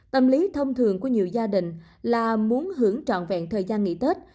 tâm lý thông thường của nhiều gia đình là muốn hưởng trọn vẹn thời gian nghỉ tết